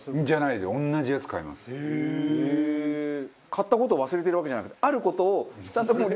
買った事を忘れてるわけじゃなくてある事をちゃんともう。